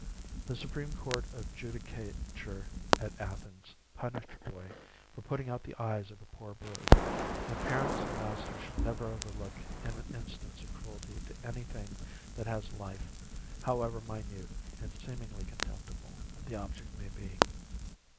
The supreme court of Judi cature at Athens punished a boy for putting out the eyes of a poor bird ; and parents and masters should never overlook an instance of cruelty to any thing that has life, however mi nute and seemingly contempti ble the object may be.